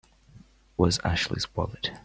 Where's Ashley's wallet?